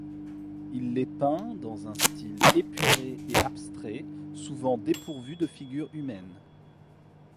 Il les peint dans un style épuré et abstrait, souvent dépourvu de figures humaines.